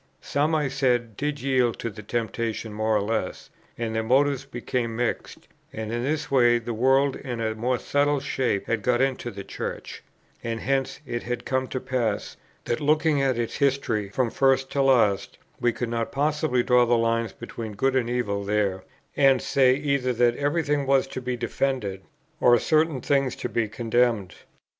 Some, I said, did yield to the temptation more or less, and their motives became mixed; and in this way the world in a more subtle shape had got into the Church; and hence it had come to pass, that, looking at its history from first to last, we could not possibly draw the line between good and evil there, and say either that every thing was to be defended, or certain things to be condemned.